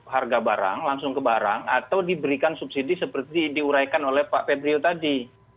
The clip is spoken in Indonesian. harga barang langsung ke barang atau diberikan subsidi seperti diuraikan oleh pak febrio tadi